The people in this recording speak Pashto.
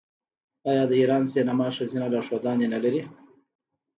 آیا د ایران سینما ښځینه لارښودانې نلري؟